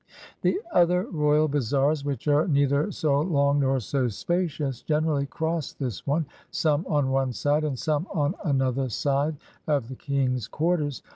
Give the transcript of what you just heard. The other royal bazaars, which are neither so long nor so spacious, generally cross this one, some on one side and some on another side of the king's quarters.